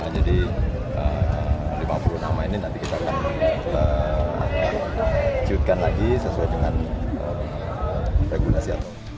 jadi lima puluh an main ini nanti kita akan cucikan lagi sesuai dengan regulasi